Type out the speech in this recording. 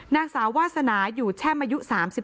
นางสาววาสนาอยู่แช่มอายุ๓๒